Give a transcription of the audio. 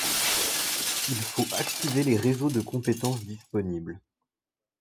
Il faut activer les réseaux de compétences disponibles.